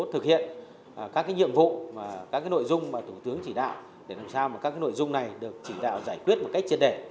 thực hiện các nhiệm vụ các nội dung mà thủ tướng chỉ đạo để làm sao các nội dung này được chỉ đạo giải quyết một cách triệt đề